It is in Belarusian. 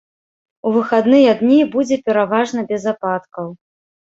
У выхадныя дні будзе пераважна без ападкаў.